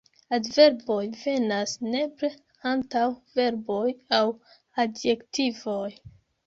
Adverboj venas nepre antaŭ verboj aŭ adjektivoj.